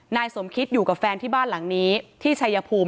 นายสมคิตอยู่กับแฟนที่บ้านหลังนี้ที่ชัยภูมิ